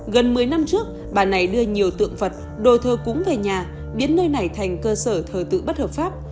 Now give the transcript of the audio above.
gần một mươi năm trước bà này đưa nhiều tượng vật đồ thờ cúng về nhà biến nơi này thành cơ sở thờ tự bất hợp pháp